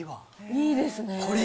いいですね。